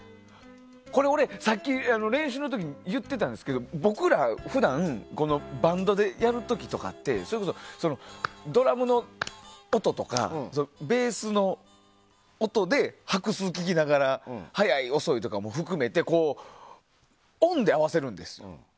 これ、俺、さっき練習の時に言ってたんですけど僕ら普段バンドでやる時とかってドラムの音とか、ベースの音で拍数を区切りながら速い、遅いも決めてオンで合わせるんですよ。